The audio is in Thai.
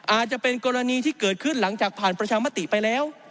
อาจจะเป็นกรณีที่เกิดขึ้นหลังจากผ่านประชามติไปแล้ว